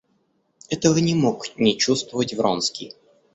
Этого не мог не чувствовать Вронский.